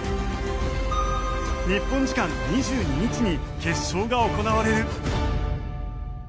日本時間２２日に決勝が行われる。